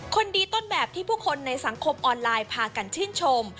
คนดีต้นแบบที่ผู้คนในสังคมออนไลน์พากันชื่นชม